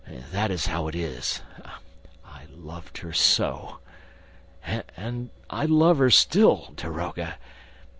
That is how it is ... loved her so! ... And I love her still ... daroga ...